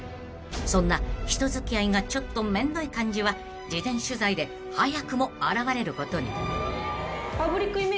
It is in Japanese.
［そんな人付き合いがちょっとめんどい感じは事前取材で早くも表れることに］